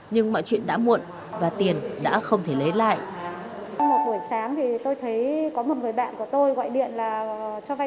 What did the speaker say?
nhưng mọi chuyện đã muộn và tiền đã không thể lấy lại